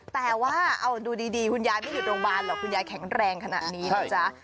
แต่ว่าเอาดูดีคุณยายไม่อยู่โรงพยาบาลหรอกคุณยายแข็งแรงขนาดนี้นะจ๊ะ